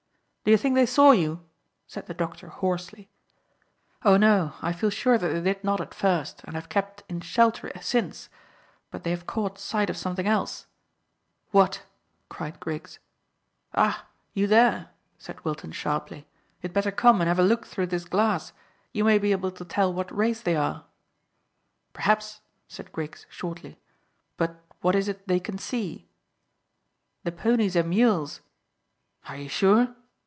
"Do you think they saw you?" said the doctor hoarsely. "Oh no, I feel sure that they did not at first, and I have kept in shelter since; but they have caught sight of something else." "What?" cried Griggs. "Ah! You there?" said Wilton sharply. "You had better come and have a look through this glass; you may be able to tell what race they are." "Perhaps," said Griggs shortly; "but what is it they can see?" "The ponies and mules." "Are you sure?"